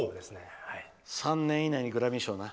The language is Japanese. ３年以内にグラミー賞な。